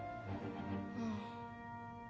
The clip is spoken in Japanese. うん。